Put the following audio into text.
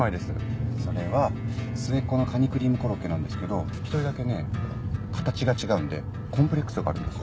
それは末っ子のカニクリームコロッケなんですけど１人だけね形が違うんでコンプレックスがあるんです。